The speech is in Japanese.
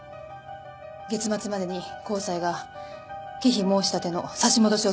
月末までに高裁が忌避申し立ての差し戻しをするそうよ。